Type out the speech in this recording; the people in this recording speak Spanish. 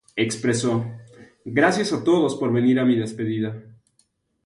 Expresó "Gracias a todos por venir a mi despedida.